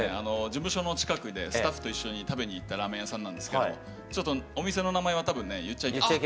事務所の近くでスタッフと一緒に食べに行ったラーメン屋さんなんですけどもちょっとお店の名前は多分ね言っちゃいけない。